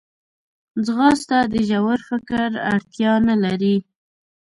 ځغاسته د ژور فکر اړتیا نه لري